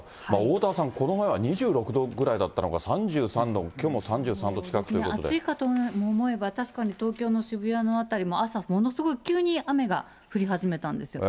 おおたわさん、この前は２６度ぐらいだったのが３３度、暑いかと思えば、確かに東京の渋谷の辺りも朝、ものすごい急に雨が降り始めたんですよ。